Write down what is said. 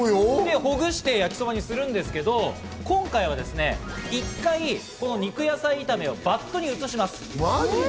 ほぐして焼きそばにするんですが、今回は一回、肉野菜炒めをバットに移します。